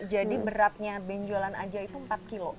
jadi beratnya benjolan aja itu empat kilo